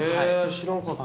知らんかった。